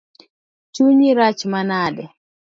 Chunyi rach manade?